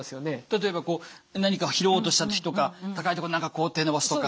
例えばこう何かを拾おうとした時とか高い所何か手伸ばすとか。